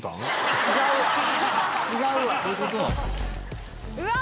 違うわ！